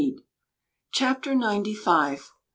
CHAPTER NINETY FIVE.